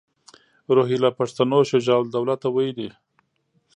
روهیله پښتنو شجاع الدوله ته ویلي.